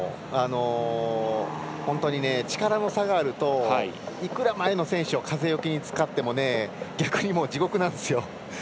本当に力の差があるといくら前の選手風よけに使っても逆にもう地獄なんですよ。